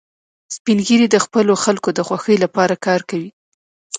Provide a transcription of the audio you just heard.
سپین ږیری د خپلو خلکو د خوښۍ لپاره کار کوي